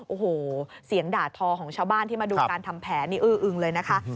โอ้โหเสียงด่าทอของชาวบ้านที่มาดูการทำแผลนี่อื้ออึงเลยนะคะ